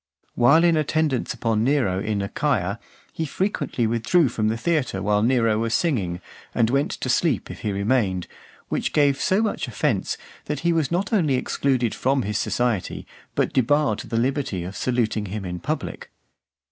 While in attendance upon Nero in Achaia, he frequently withdrew from the theatre while Nero was singing, and went to sleep if he remained, which gave so much (445) offence, that he was not only excluded from his society, but debarred the liberty of saluting him in public.